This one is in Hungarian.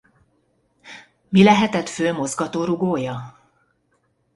Mi lehetett fő mozgatórugója?